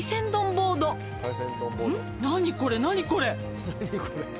「何これ何これ？」